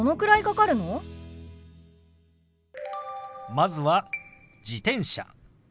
まずは「自転車」。